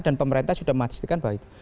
dan pemerintah sudah memastikan bahwa itu